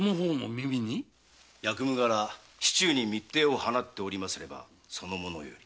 役務がら市中に密偵を放っておりますればその者に。